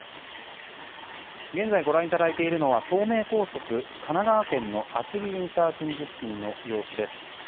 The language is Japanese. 現在ご覧いただいているのは東名高速神奈川県の厚木ＩＣ付近の様子です。